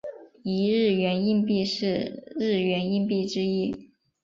一日圆硬币是日圆硬币之一。